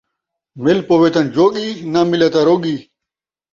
مِل پووے تاں جوڳی، جے نہ مِلے، روڳی